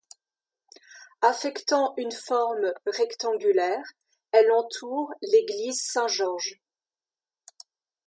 Affectant une forme rectangulaire, elle entoure l'église Saint-Georges.